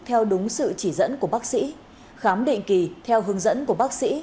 theo đúng sự chỉ dẫn của bác sĩ khám định kỳ theo hướng dẫn của bác sĩ